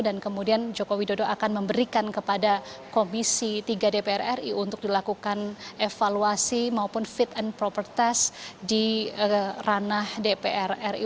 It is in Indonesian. dan kemudian joko widodo akan memberikan kepada komisi tiga dpr ri untuk dilakukan evaluasi maupun fit and proper test di ranah dpr ri